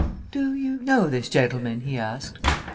"Do you know this gentleman?" he asked.